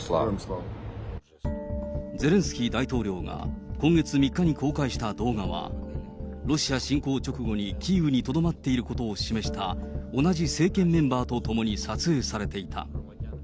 ゼレンスキー大統領が今月３日に公開した動画は、ロシア侵攻直後にキーウにとどまっていることを示した同じ政権メンバーと共に撮影されていた。